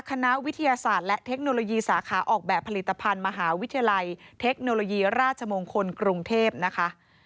คณะวิทยาศาสตร์และเทคโนโลยีสาขาออกแบบผลิตภัณฑ์มหาวิทยาลัยเทคโนโลยีราชมงคลกรุงเทพนะคะ